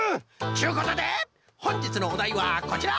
ちゅうことでほんじつのおだいはこちら！